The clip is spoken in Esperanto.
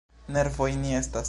Nervoj ni estas.